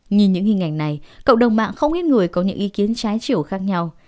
nhìn những hình ảnh này cộng đồng mạng không ít người có những ý kiến trái chiều khác nhau